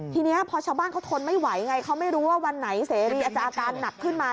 ทีนี้พอชาวบ้านเขาทนไม่ไหวไงเขาไม่รู้ว่าวันไหนเสรีอาจจะอาการหนักขึ้นมา